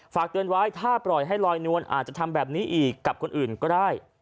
ฝากเตือนไว้ถ้าปล่อยให้ลอยนวลอาจจะทำแบบนี้อีกกับคนอื่นก็ได้